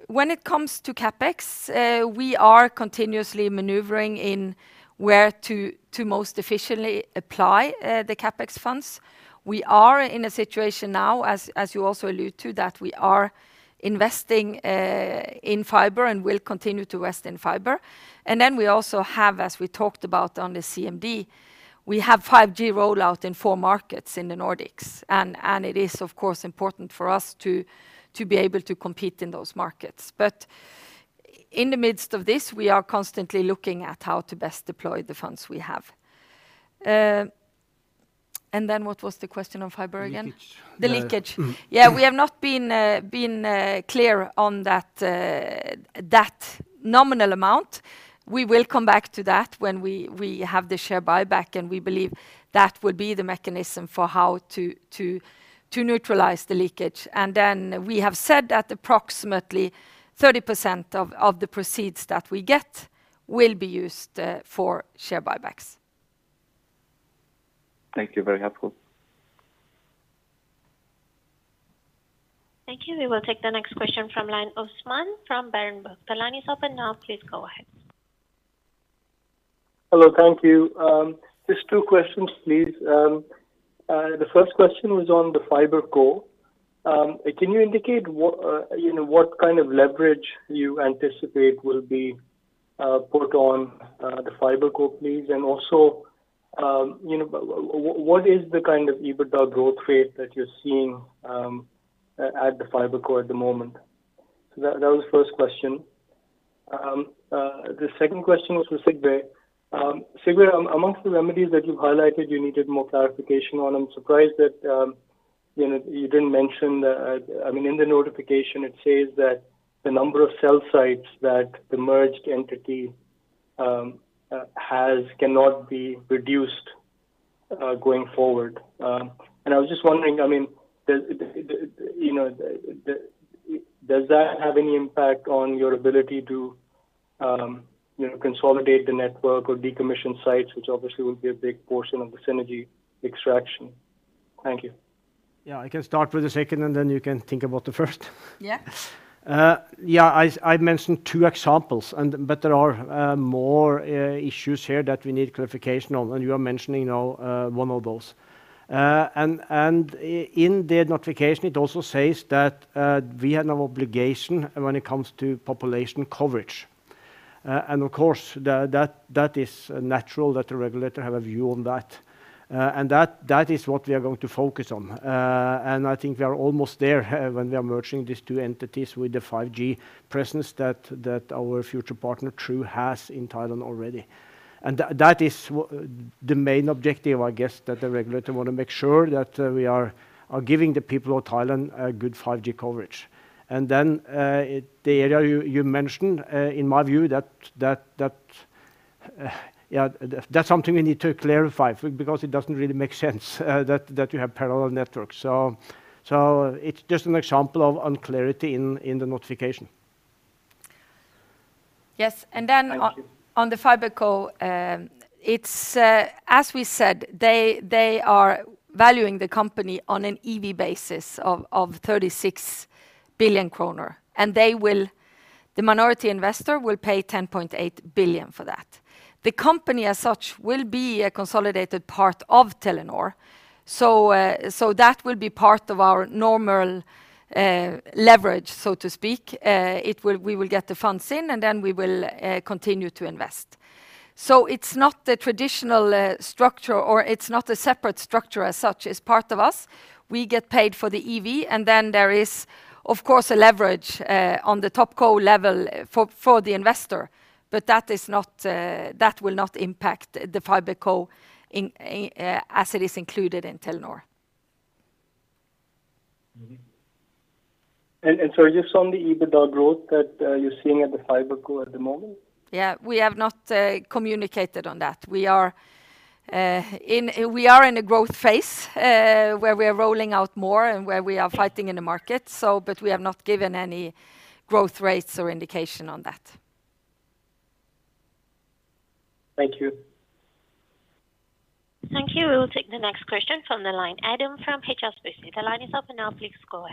S2: When it comes to CapEx, we are continuously maneuvering in where to most efficiently apply the CapEx funds. We are in a situation now, as you also allude to, that we are investing in fiber and will continue to invest in fiber. We also have, as we talked about on the CMD, we have 5G rollout in four markets in the Nordics. It is of course important for us to be able to compete in those markets. In the midst of this, we are constantly looking at how to best deploy the funds we have. What was the question of fiber again?
S11: Leakage. Yeah.
S2: The leakage. Yeah, we have not been clear on that nominal amount. We will come back to that when we have the share buyback, and we believe that would be the mechanism for how to neutralize the leakage. Then we have said that approximately 30% of the proceeds that we get will be used for share buybacks.
S11: Thank you. Very helpful.
S3: Thank you. We will take the next question from line Usman from Berenberg. The line is open now. Please go ahead.
S12: Hello. Thank you. Just two questions, please. The first question was on the fiber co. Can you indicate what, you know, what kind of leverage you anticipate will be put on the fiber co, please? And also, you know, what is the kind of EBITDA growth rate that you're seeing at the fiber co at the moment? That was the first question. The second question was for Sigve. Sigve, among the remedies that you've highlighted you needed more clarification on, I'm surprised that, you know, you didn't mention. I mean, in the notification it says that the number of cell sites that the merged entity has cannot be reduced going forward. I was just wondering, I mean, you know, does that have any impact on your ability to, you know, consolidate the network or decommission sites, which obviously will be a big portion of the synergy extraction? Thank you.
S1: Yeah. I can start with the second, and then you can think about the first.
S2: Yeah.
S1: Yeah. I mentioned two examples, but there are more issues here that we need clarification on, and you are mentioning now one of those. In the notification, it also says that we have no obligation when it comes to population coverage. Of course, that is natural that the regulator have a view on that. That is what we are going to focus on. I think we are almost there when we are merging these two entities with the 5G presence that our future partner True has in Thailand already. That is the main objective, I guess, that the regulator want to make sure that we are giving the people of Thailand a good 5G coverage. The area you mentioned, in my view, yeah, that's something we need to clarify because it doesn't really make sense that you have parallel networks. It's just an example of unclarity in the notification.
S2: Yes.
S1: Thank you.
S2: On the FiberCo, it's as we said, they are valuing the company on an EV basis of 36 billion kroner. The minority investor will pay 10.8 billion for that. The company as such will be a consolidated part of Telenor. That will be part of our normal leverage, so to speak. We will get the funds in, and then we will continue to invest. It's not the traditional structure, or it's not a separate structure as such. It's part of us. We get paid for the EV, and then there is, of course, a leverage on the top co level for the investor. That will not impact the FiberCo in as it is included in Telenor.
S1: Mm-hmm.
S12: Just on the EBITDA growth that you're seeing at the FiberCo at the moment.
S2: Yeah. We have not communicated on that. We are in a growth phase where we are rolling out more and where we are fighting in the market. But we have not given any growth rates or indication on that.
S12: Thank you.
S3: Thank you. We will take the next question from the line, Adam from HSBC. The line is open now. Please go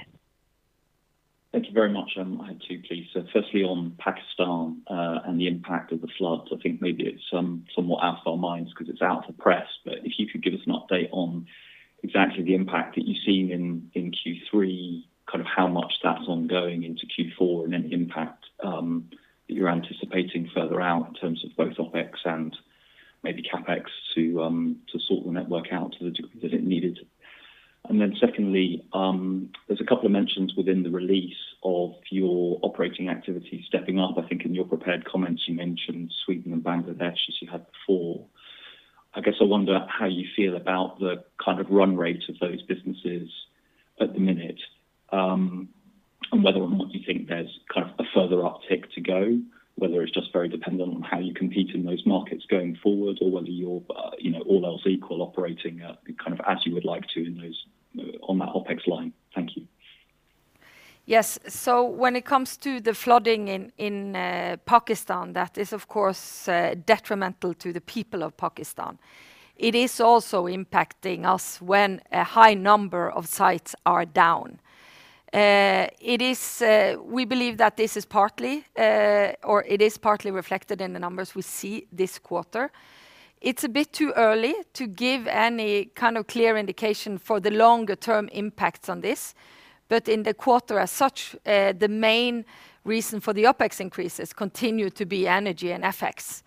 S3: ahead.
S13: Thank you very much. I have two, please. Firstly, on Pakistan and the impact of the floods. I think maybe it's somewhat out of our minds because it's out of the press. If you could give us an update on exactly the impact that you've seen in Q3, kind of how much that's ongoing into Q4 and any impact that you're anticipating further out in terms of both OpEx and maybe CapEx to sort the network out to the degree that it needed. Then secondly, there's a couple of mentions within the release of your operating activity stepping up. I think in your prepared comments, you mentioned Sweden and Bangladesh as you had before. I guess I wonder how you feel about the kind of run rate of those businesses at the minute, and whether or not you think there's kind of a further uptick to go, whether it's just very dependent on how you compete in those markets going forward or whether you're, you know, all else equal operating, kind of as you would like to in those on that OpEx line. Thank you.
S2: Yes. When it comes to the flooding in Pakistan, that is of course detrimental to the people of Pakistan. It is also impacting us when a high number of sites are down. We believe that this is partly or it is partly reflected in the numbers we see this quarter. It's a bit too early to give any kind of clear indication for the longer term impacts on this. In the quarter as such, the main reason for the OpEx increases continue to be energy and FX.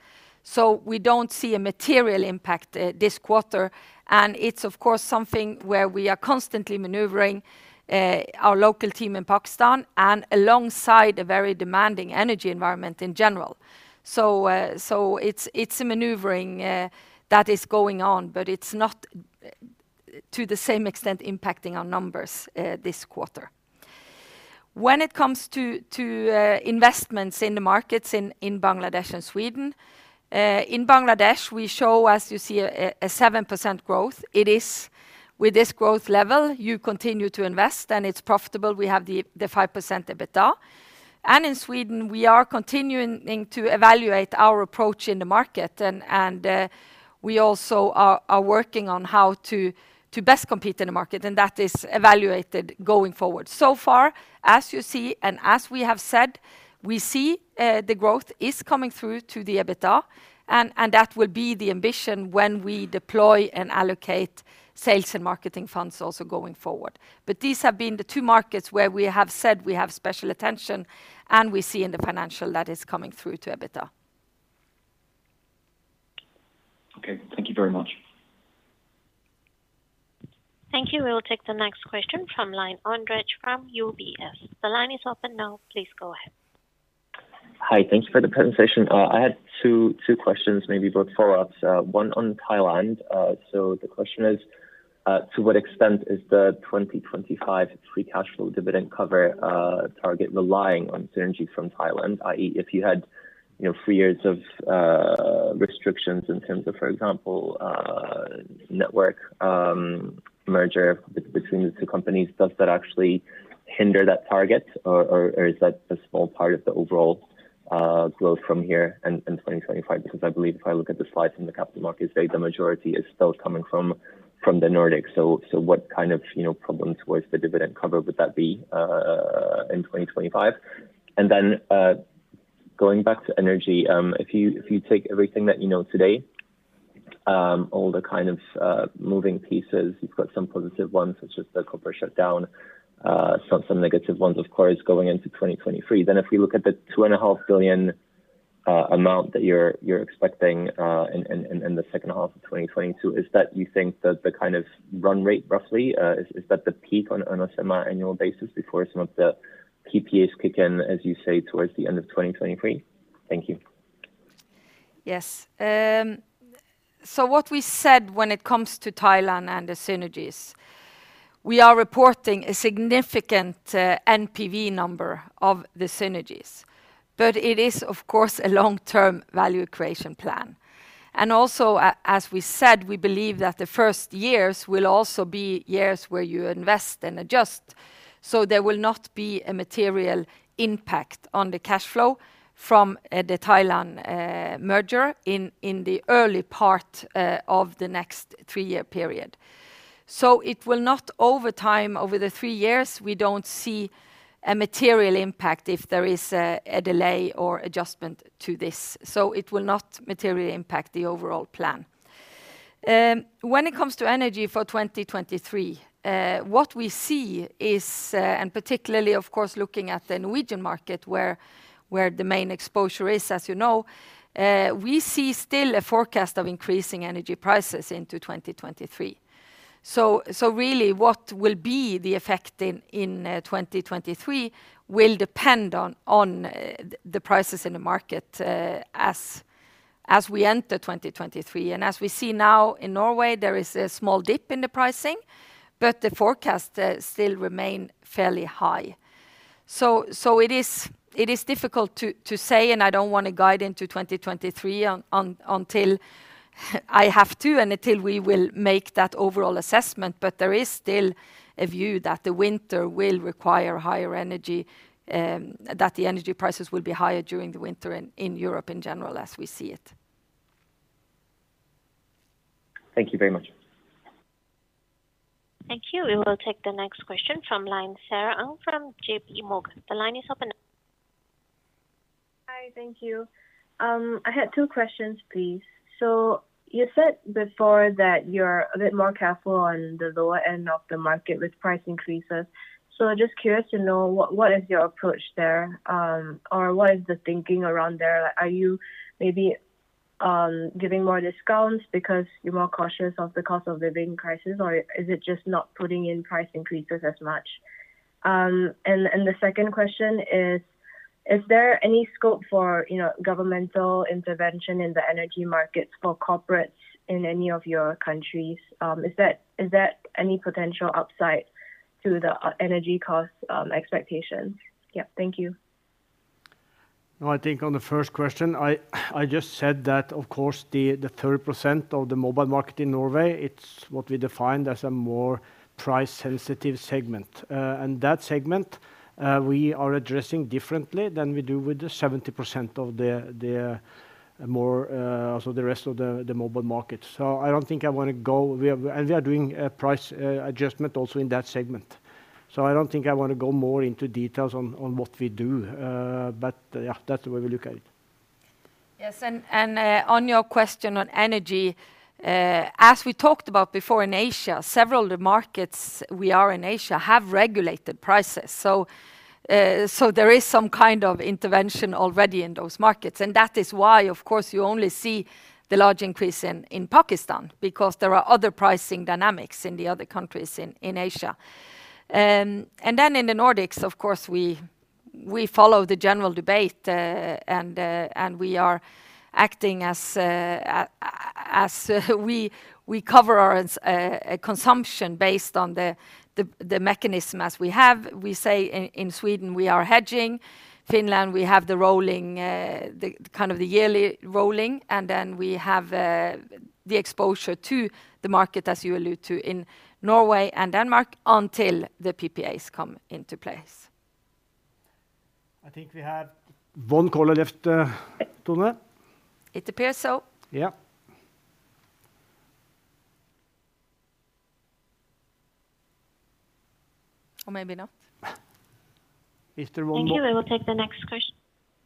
S2: We don't see a material impact this quarter. It's of course something where we are constantly maneuvering our local team in Pakistan and alongside a very demanding energy environment in general. It's a maneuvering that is going on, but it's not to the same extent impacting our numbers this quarter. When it comes to investments in the markets in Bangladesh and Sweden, in Bangladesh we show, as you see, a 7% growth. It is with this growth level, you continue to invest and it's profitable. We have the 5% EBITDA. In Sweden, we are continuing to evaluate our approach in the market. We also are working on how to best compete in the market, and that is evaluated going forward. So far, as you see and as we have said, we see the growth is coming through to the EBITDA, and that will be the ambition when we deploy and allocate sales and marketing funds also going forward. These have been the two markets where we have said we have special attention, and we see in the financial that is coming through to EBITDA.
S13: Okay. Thank you very much.
S3: Thank you. We will take the next question from line, Ondrej from UBS. The line is open now. Please go ahead.
S14: Hi. Thank you for the presentation. I had two questions, maybe both follow-ups. One on Thailand. So the question is, to what extent is the 2025 free cash flow dividend cover target relying on synergy from Thailand? I.e., if you had, you know, three years of restrictions in terms of, for example, network merger between the two companies, does that actually hinder that target? Or is that a small part of the overall growth from here in 2025? Because I believe if I look at the slides in the Capital Markets Day, the majority is still coming from the Nordics. What kind of problems towards the dividend cover would that be in 2025? Going back to energy, if you take everything that you know today. All the kind of moving pieces, you've got some positive ones such as the corporate shutdown, some negative ones, of course, going into 2023. If we look at the 2.5 billion amount that you're expecting in the second half of 2022, is that you think that the kind of run rate roughly is that the peak on a semi-annual basis before some of the PPAs kick in, as you say, towards the end of 2023? Thank you.
S2: Yes. What we said when it comes to Thailand and the synergies, we are reporting a significant NPV number of the synergies, but it is, of course, a long-term value creation plan. As we said, we believe that the first years will also be years where you invest and adjust, so there will not be a material impact on the cash flow from the Thailand merger in the early part of the next three-year period. It will not over time, over the three years, we don't see a material impact if there is a delay or adjustment to this. It will not materially impact the overall plan. When it comes to energy for 2023, what we see is, and particularly of course looking at the Norwegian market where the main exposure is, as you know, we see still a forecast of increasing energy prices into 2023. Really what will be the effect in 2023 will depend on the prices in the market, as we enter 2023. As we see now in Norway, there is a small dip in the pricing, but the forecast still remain fairly high. It is difficult to say, and I don't wanna guide into 2023 until I have to, and until we will make that overall assessment. There is still a view that the winter will require higher energy, that the energy prices will be higher during the winter in Europe in general as we see it.
S14: Thank you very much.
S3: Thank you. We will take the next question from line Sarah Wong from J.P. Morgan. The line is open.
S15: Hi, thank you. I had two questions, please. You said before that you're a bit more careful on the lower end of the market with price increases. Just curious to know what is your approach there, or what is the thinking around there? Like, are you maybe giving more discounts because you're more cautious of the cost of living crisis, or is it just not putting in price increases as much? And the second question is there any scope for, you know, governmental intervention in the energy markets for corporates in any of your countries? Is that any potential upside to the energy cost expectations? Yeah. Thank you.
S1: No, I think on the first question, I just said that of course the 30% of the mobile market in Norway, it's what we define as a more price-sensitive segment. That segment, we are addressing differently than we do with the 70% of the more so the rest of the mobile market. We are doing a price adjustment also in that segment. I don't think I wanna go more into details on what we do. Yeah, that's the way we look at it.
S2: Yes. On your question on energy, as we talked about before in Asia, several of the markets we are in Asia have regulated prices. There is some kind of intervention already in those markets. That is why of course you only see the large increase in Pakistan because there are other pricing dynamics in the other countries in Asia. In the Nordics, of course we follow the general debate, and we are acting as we cover our consumption based on the mechanism as we have. We say in Sweden we are hedging. Finland, we have the rolling, the kind of the yearly rolling, and then we have the exposure to the market as you allude to in Norway and Denmark until the PPAs come into place.
S1: I think we have one caller left, Tone.
S2: It appears so.
S1: Yeah.
S2: maybe not.
S1: Is there one more?
S3: Thank you. We will take the next question.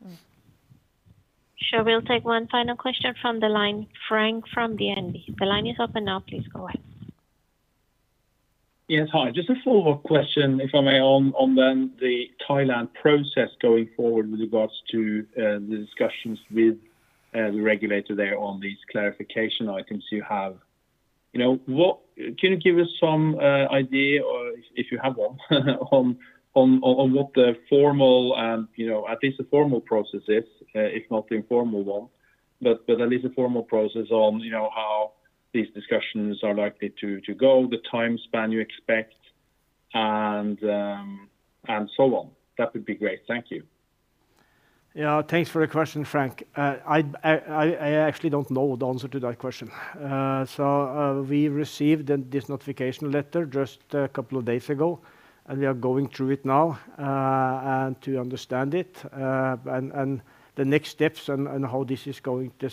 S2: Mm.
S3: Sure. We'll take one final question from the line, Frank from DNB. The line is open now. Please go ahead.
S8: Yes. Hi. Just a follow-up question, if I may, on then the Thailand process going forward with regards to the discussions with the regulator there on these clarification items you have. You know, can you give us some idea or if you have one on what the formal and, you know, at least the formal process is, if not the informal one, but at least the formal process on, you know, how these discussions are likely to go, the time span you expect and so on. That would be great. Thank you.
S1: Yeah. Thanks for the question, Frank. I actually don't know the answer to that question. We received this notification letter just a couple of days ago, and we are going through it now, and to understand it. The next steps and how this is going to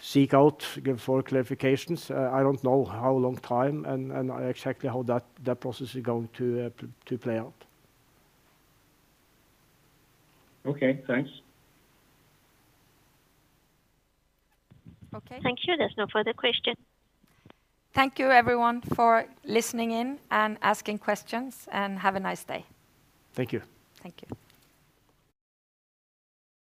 S1: seek out for clarifications, I don't know how long time and exactly how that process is going to play out.
S8: Okay. Thanks.
S2: Okay.
S3: Thank you. There's no further question.
S2: Thank you everyone for listening in and asking questions, and have a nice day.
S1: Thank you.
S3: Thank you.